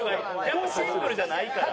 やっぱシンプルじゃないから。